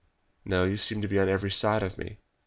"No; you seem to be on every side of me."